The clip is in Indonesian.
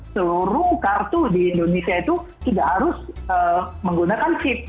seluruh kartu di indonesia itu tidak harus menggunakan chip